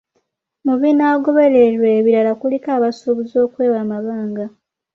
Mu binaagobererwa ebirala kuliko abasuubuzi okwewa amabanga.